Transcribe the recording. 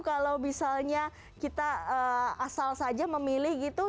kalau misalnya kita asal saja memilih gitu